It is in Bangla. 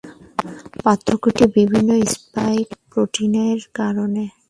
পার্থক্যটি ভিন্ন স্পাইক প্রোটিনের কারণে।